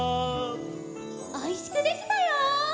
「おいしくできたよー」